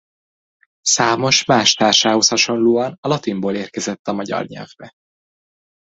Számos más társához hasonlóan a latinból érkezett a magyar nyelvbe.